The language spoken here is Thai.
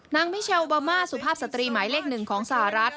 นางมิเชลอัลบาม่าสุภาพสตรีหมายเลขหนึ่งของสหรัฐ